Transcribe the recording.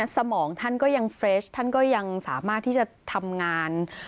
สมองท่านก็ยังเฟรชท่านก็ยังสามารถที่จะทำงาน